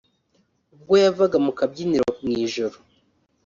ubwo yavaga mu kabyiniro mu ijoro